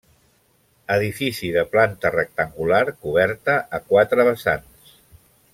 Edifici de planta rectangular coberta a quatre vessants.